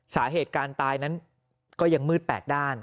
สาเหตุการตายนั้นก็ยังมืด๘ด้าน